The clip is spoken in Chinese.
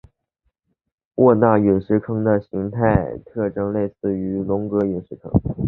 沃纳陨石坑的形态特征类似于龙格陨石坑。